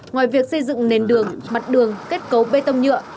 ngoài việc xây dựng nền đường mặt đường kết cấu bê tông nhựa